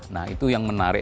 nah itu yang menarik